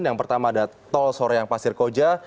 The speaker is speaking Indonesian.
yang pertama ada tol soreang pasir koja